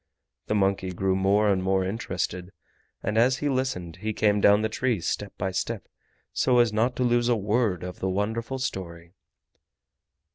The monkey grew more and more interested, and as he listened he came down the tree step by step so as not to lose a word of the wonderful story.